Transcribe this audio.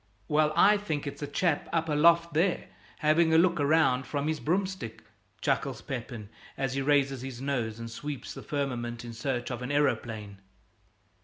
"Well, I think it's a chap up aloft there, having a look round from his broomstick," chuckles Pepin, as he raises his nose and sweeps the firmament in search of an aeroplane.